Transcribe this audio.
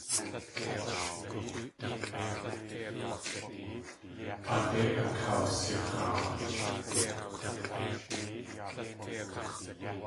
Aadé akawsixaa.